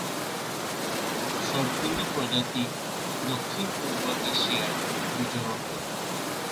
সবগুলো প্রজাতিই দক্ষিণ-পূর্ব এশিয়ায় বিচরণ করে।